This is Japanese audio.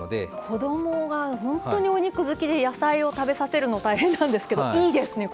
子どもが本当にお肉好きで野菜を食べさせるの大変なんですけどいいですね